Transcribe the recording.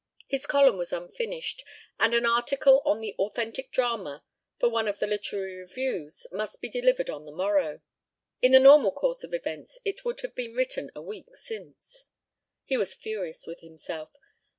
His column was unfinished and an article on the "authentic drama" for one of the literary reviews must be delivered on the morrow. In the normal course of events it would have been written a week since. He was furious with himself.